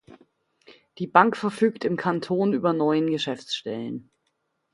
Die Bank verfügt im Kanton über neun Geschäftsstellen.